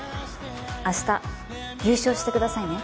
明日優勝してくださいね。